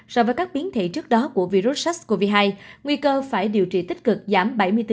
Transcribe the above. so với các biến thể trước đó của virus sars cov hai nguy cơ phải điều trị tích cực giảm bảy mươi bốn